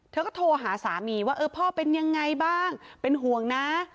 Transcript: เธอก็โทรหาสามีว่าเออพ่อเป็นยังไงบ้างเป็นห่วงนะ